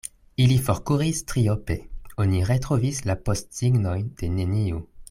Ili forkuris triope: oni retrovis la postsignojn de neniu.